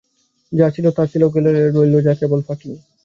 যা ছিল তা গেল চলে, রইল যা তা কেবল ফাঁকি।